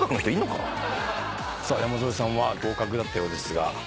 さあ山添さんは合格だったようですが。